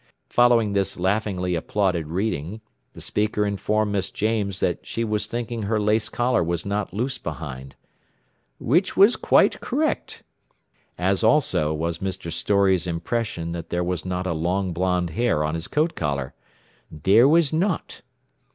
Following this laughingly applauded "reading," the speaker informed Miss James that she was thinking her lace collar was not loose behind. "Which was quite correct." As also was Mr. Storey's impression that there was not a long blond hair on his coat collar. "There was not."